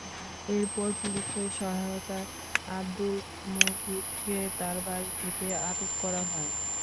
এরপর পুলিশের সহায়তায় আবদুল মোহিতকে তাঁর বাড়ি থেকে আটক করা হয়।